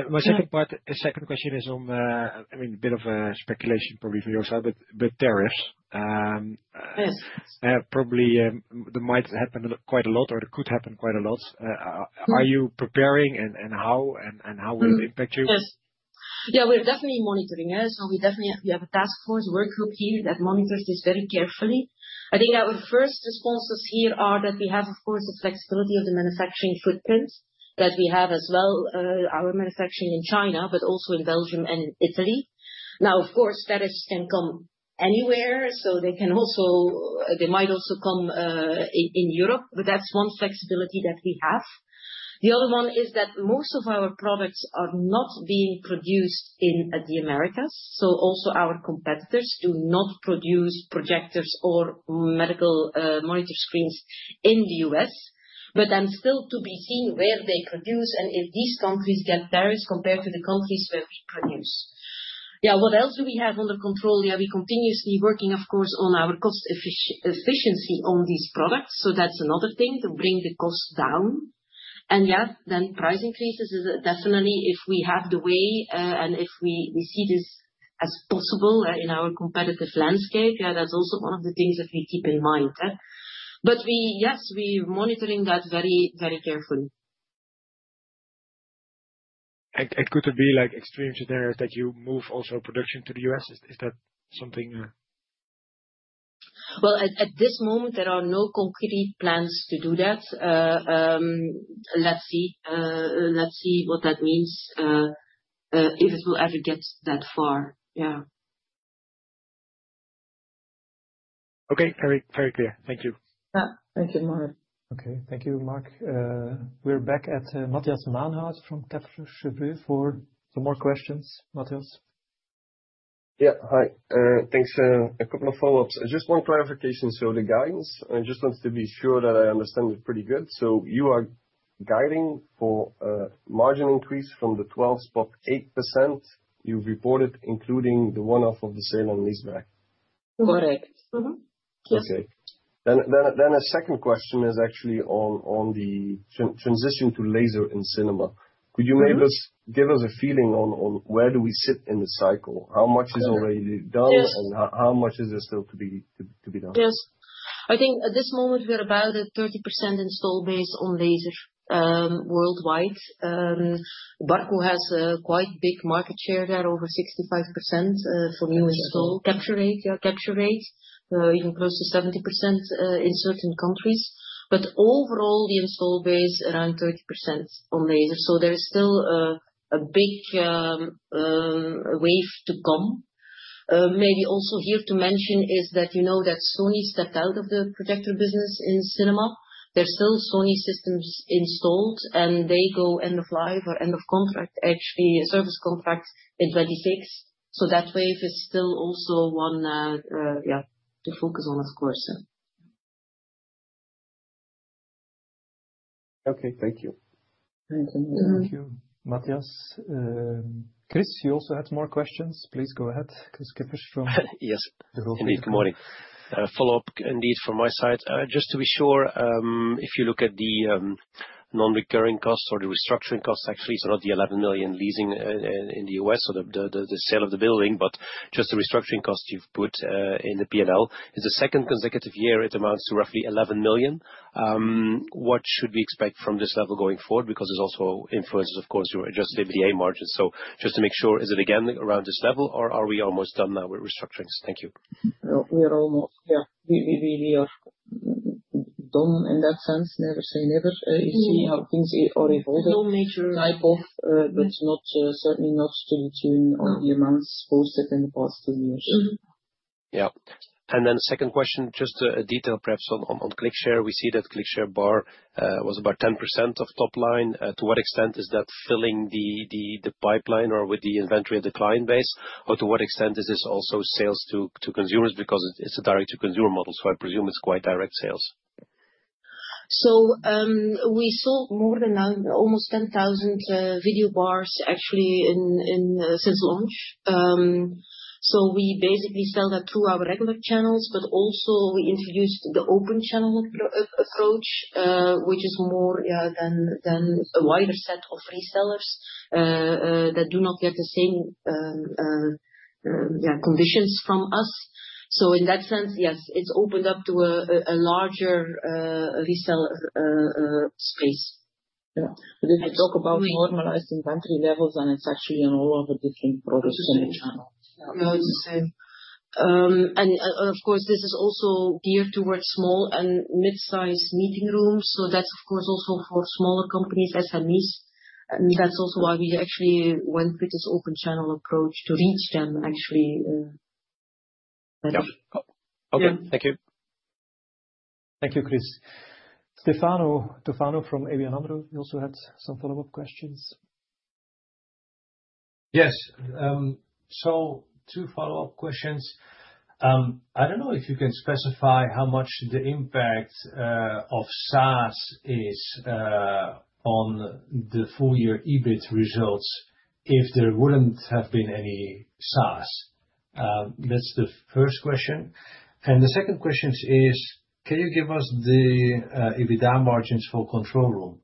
H: My second question is, I mean, a bit of speculation probably from your side, but tariffs.
B: Yes.
H: Probably might happen quite a lot or could happen quite a lot. Are you preparing and how, and how will it impact you?
B: Yes. Yeah. We're definitely monitoring it, so we definitely have a task force, work group here that monitors this very carefully. I think our first responses here are that we have, of course, the flexibility of the manufacturing footprint that we have as well, our manufacturing in China, but also in Belgium and Italy. Now, of course, tariffs can come anywhere, so they might also come in Europe, but that's one flexibility that we have. The other one is that most of our products are not being produced in the Americas, so also our competitors do not produce projectors or medical monitor screens in the U.S., but then still to be seen where they produce and if these countries get tariffs compared to the countries where we produce. Yeah. What else do we have under control? Yeah. We're continuously working, of course, on our cost efficiency on these products. So that's another thing to bring the cost down. And yeah, then price increases is definitely if we have the way and if we see this as possible in our competitive landscape. Yeah. That's also one of the things that we keep in mind. But yes, we're monitoring that very, very carefully.
H: It could be like extreme scenarios that you move also production to the U.S. Is that something?
B: At this moment, there are no concrete plans to do that. Let's see. Let's see what that means if it will ever get that far. Yeah.
H: Okay. Very clear. Thank you.
C: Yeah. Thank you, Marc.
A: Okay. Thank you, Marc. We're back at Matthias Maenhaut from Kepler Cheuvreux for some more questions. Matthias?
D: Yeah. Hi. Thanks. A couple of follow-ups. Just one clarification. So the guidance, I just wanted to be sure that I understand it pretty good. So you are guiding for a margin increase from the 12.8% you reported, including the one-off of the sale and leaseback.
C: Correct. Yes.
D: Okay, then a second question is actually on the transition to laser in Cinema. Could you maybe give us a feeling on where do we sit in the cycle? How much is already done and how much is there still to be done?
B: Yes. I think at this moment, we're about at 30% installed base on laser worldwide. Barco has quite big market share there, over 65% for new install capture rate. Yeah. Capture rate, even close to 70% in certain countries. But overall, the installed base is around 30% on laser. So there is still a big wave to come. Maybe also here to mention is that you know that Sony stepped out of the projector business in Cinema. There's still Sony systems installed, and they go end of life or end of contract, actually service contract in 2026. So that wave is still also one, yeah, to focus on, of course.
D: Okay. Thank you.
A: Thank you. Matthias. Kris, you also had more questions. Please go ahead. Kris Kippers from the room.
E: Good morning. Follow-up indeed from my side. Just to be sure, if you look at the non-recurring costs or the restructuring costs, actually, so not the 11 million leasing in the U.S. or the sale of the building, but just the restructuring costs you've put in the P&L, it's the second consecutive year it amounts to roughly 11 million. What should we expect from this level going forward? Because this also influences, of course, your adjusted EBITDA margin. So just to make sure, is it again around this level, or are we almost done now with restructuring? Thank you.
C: We are almost, yeah. We really are done in that sense. Never say never. You see how things are evolving. But certainly not to the tune of the amounts posted in the past two years.
E: Yeah, and then second question, just a detail perhaps on ClickShare. We see that ClickShare Bar was about 10% of top line. To what extent is that filling the pipeline or with the inventory of the client base? Or to what extent is this also sales to consumers? Because it's a direct-to-consumer model, so I presume it's quite direct sales.
B: So we sold more than almost 10,000 video bars actually since launch. So we basically sell that through our regular channels, but also we introduced the Open Channel approach, which is more, yeah, than a wider set of resellers that do not get the same, yeah, conditions from us. So in that sense, yes, it's opened up to a larger reseller space.
C: Yeah, but if you talk about normalized inventory levels, then it's actually on all of the different products in the channel.
B: Yeah. It's the same, and of course, this is also geared towards small and mid-size meeting rooms. So that's, of course, also for smaller companies, SMEs, and that's also why we actually went with this Open Channel approach to reach them actually.
E: Okay. Thank you.
A: Thank you, Kris. Stefano Toffano from ABN AMRO, you also had some follow-up questions.
F: Yes. So two follow-up questions. I don't know if you can specify how much the impact of SaaS is on the full-year EBIT results if there wouldn't have been any SaaS. That's the first question. And the second question is, can you give us the EBITDA margins for control room?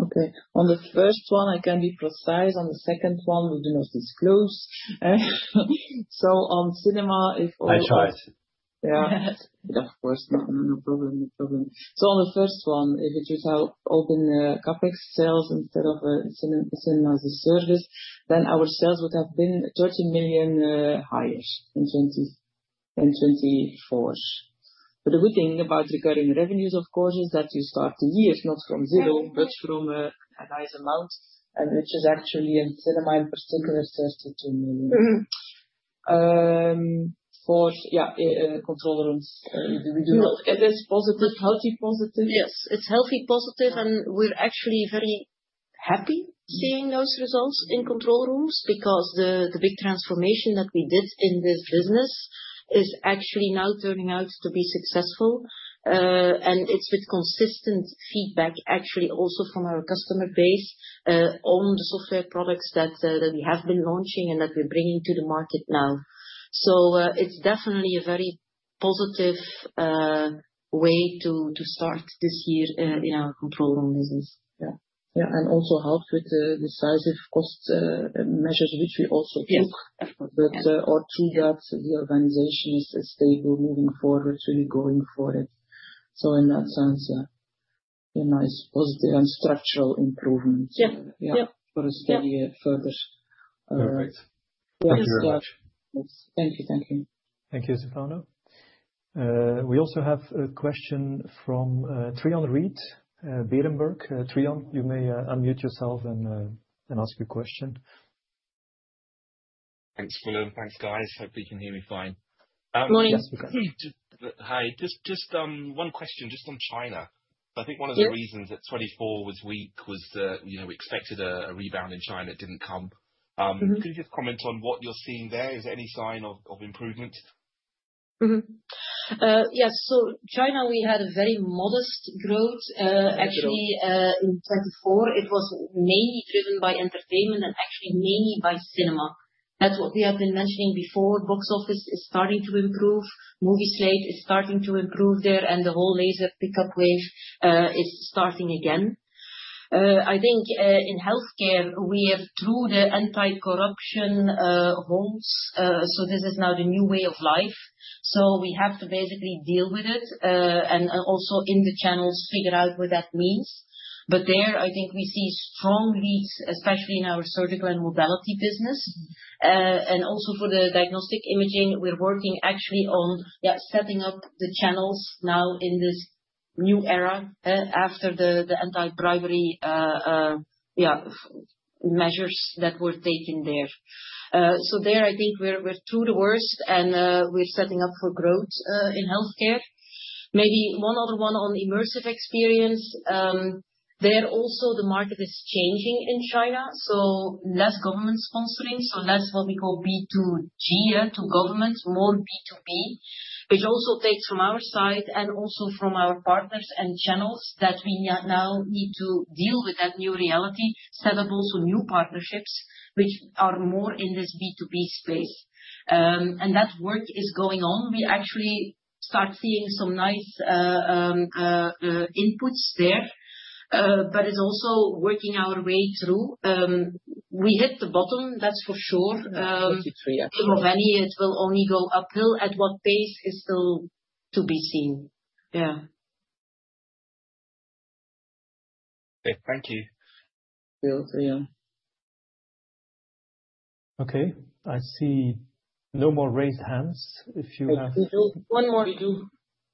C: Okay. On the first one, I can be precise. On the second one, we do not disclose. So on Cinema, if.
F: I tried.
C: Yeah. Of course. No problem. No problem. So on the first one, if it would help open CapEx sales instead of Cinema-as-a-service, then our sales would have been 30 million higher in 2024. But the good thing about recurring revenues, of course, is that you start the year not from zero, but from a nice amount, which is actually in Cinema in particular, EUR 32 million. For, yeah, Control Rooms, we do. Is this positive, healthy positive?
B: Yes. It's healthy, positive. And we're actually very happy seeing those results in Control Rooms because the big transformation that we did in this business is actually now turning out to be successful. And it's with consistent feedback, actually, also from our customer base on the software products that we have been launching and that we're bringing to the market now. So it's definitely a very positive way to start this year in our control room business.
C: Yeah. Yeah, and also helped with the decisive cost measures, which we also took, or through that, the organization is stable moving forward, really going for it, so in that sense, yeah, a nice positive and structural improvement. Yeah. For a steady further.
F: Perfect.
C: Yeah. Thank you. Thank you.
A: Thank you, Stefano. We also have a question from Trion Reid, Berenberg. Trion, you may unmute yourself and ask your question.
I: Thanks, Willem. Thanks, guys. Hope you can hear me fine.
B: Good morning.
I: Hi. Just one question, just on China. I think one of the reasons that 2024 was weak was we expected a rebound in China. It didn't come. Could you just comment on what you're seeing there? Is there any sign of improvement?
B: Yes. So, in China, we had a very modest growth. Actually, in 2024, it was mainly driven by Entertainment and actually mainly by Cinema. That's what we have been mentioning before. Box office is starting to improve. Movie slate is starting to improve there, and the whole laser upgrade wave is starting again. I think in Healthcare, we have through the anti-corruption hump. So this is now the new way of life. So we have to basically deal with it and also in the channels figure out what that means. But there, I think we see strong leads, especially in our Surgical and Modality business. And also for the Diagnostic Imaging, we're working actually on, yeah, setting up the channels now in this new era after the anti-bribery, yeah, measures that were taken there. So there, I think we're through the worst, and we're setting up for growth in Healthcare. Maybe one other one on immersive experience. There also, the market is changing in China. So less government sponsoring, so less what we call B2G, yeah, to government, more B2B, which also takes from our side and also from our partners and channels that we now need to deal with that new reality, set up also new partnerships, which are more in this B2B space, and that work is going on. We actually start seeing some nice inputs there, but it's also working our way through. We hit the bottom, that's for sure.
C: 23, yeah.
B: If any, it will only go uphill. At what pace is still to be seen. Yeah.
I: Okay. Thank you.
C: Thank you.
A: Okay. I see no more raised hands. If you have.
B: One more.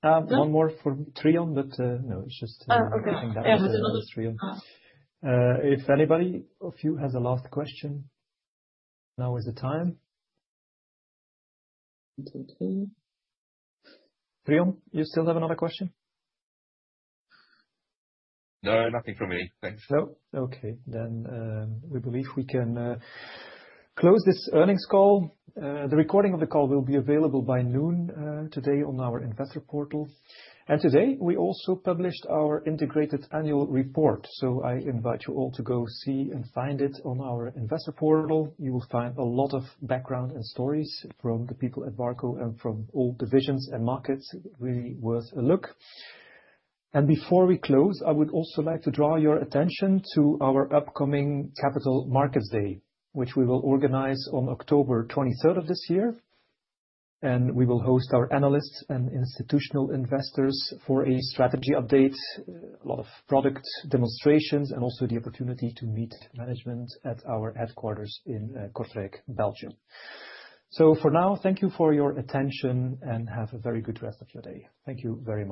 A: One more for Trion, but no, it's just. Oh, okay. Yeah. It was another. Trion. If anybody of you has a last question, now is the time.
C: Okay.
A: Trion, you still have another question?
I: No, nothing from me. Thanks.
A: No? Okay. Then we believe we can close this earnings call. The recording of the call will be available by noon today on our investor portal. And today, we also published our integrated annual report. So I invite you all to go see and find it on our investor portal. You will find a lot of background and stories from the people at Barco and from all divisions and markets. Really worth a look. And before we close, I would also like to draw your attention to our upcoming Capital Markets Day, which we will organize on October 23rd of this year. And we will host our analysts and institutional investors for a strategy update, a lot of product demonstrations, and also the opportunity to meet management at our headquarters in Kortrijk, Belgium. So for now, thank you for your attention and have a very good rest of your day. Thank you very much.